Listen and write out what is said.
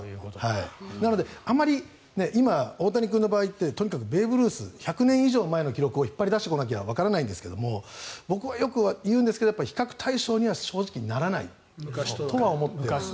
なので、あまり今、大谷君の場合ってとにかくベーブ・ルース１００年以上前の記録を引っ張り出してこないとわからないんですけども僕はよく言うんですけど比較対象には正直ならないとは思っています。